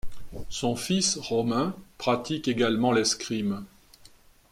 Son fils Romain pratique également l'escrime.